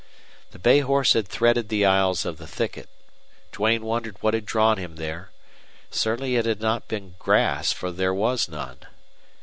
The bay horse had threaded the aisles of the thicket. Duane wondered what had drawn him there. Certainly it had not been grass, for there was none.